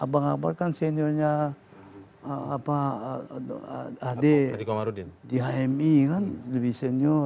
bang akbar kan seniornya adik di hmi kan lebih senior